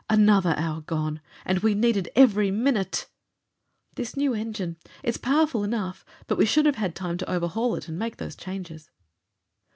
"Another hour gone! And we needed every minute!" "This new engine! It's powerful enough, but we should have had time to overhaul it, and make those changes."